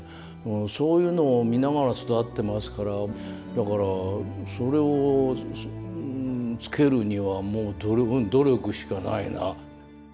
そういうのを見ながら育ってますからだからそれをつけるにはもう努力しかないな。